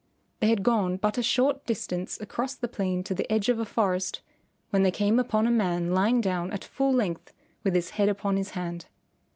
They had gone but a short distance across the plain to the edge of a forest when they came upon a man lying down at full length with his head upon his hand.